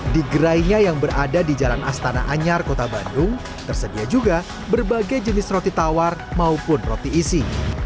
di gerainya yang berada di jalan astana anyar kota bandung tersedia juga berbagai jenis roti tawar maupun roti isi